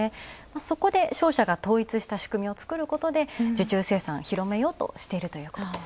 そこで商社が統一した仕組みを作ることで、受注生産を広めようとしているということです。